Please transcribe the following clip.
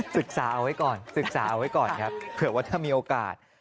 ศึกษาเอาไว้ก่อนศึกษาเอาไว้ก่อนครับเผื่อว่าถ้ามีโอกาส